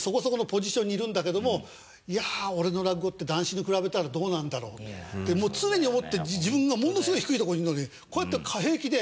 いや俺の落語って談志に比べたらどうなんだろうって常に思って自分がものすごい低い所にいるのにこうやって平気で。